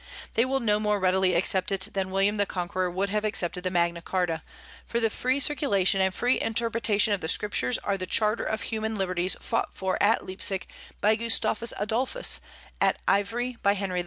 They will no more readily accept it than William the Conqueror would have accepted the Magna Charta; for the free circulation and free interpretation of the Scriptures are the charter of human liberties fought for at Leipsic by Gustavus Adolphus, at Ivry by Henry IV.